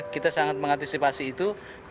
kita sangat mengantisipasi itu